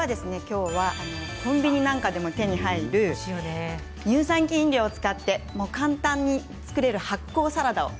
コンビニなんかでも手に入る乳酸菌飲料を使って、簡単に作れる発酵サラダ。